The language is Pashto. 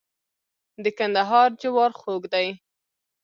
د کندهار جوار خوږ دي.